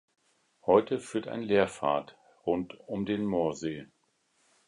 Heute führt ein Lehrpfad rund um den Moorsee.